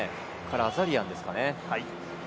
アザリアンですね。